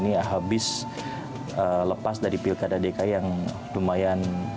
ini habis lepas dari pilkada dki yang lumayan